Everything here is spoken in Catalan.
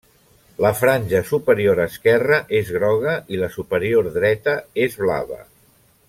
La franja superior esquerra és groga i la superior dreta és blava.